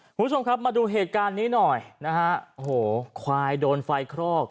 คุณผู้ชมครับมาดูเหตุการณ์นี้หน่อยนะฮะโอ้โหควายโดนไฟคลอก